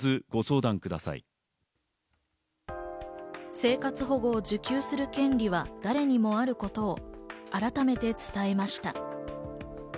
生活保護を受給する権利は誰にもあることを改めて伝えました。